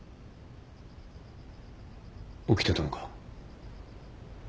起きてたのか？